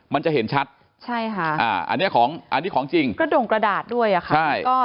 มันจะเห็นชัดใช่ค่ะอันนี้ของอันนี้ของจริงกระดงกระดาษด้วยอะค่ะ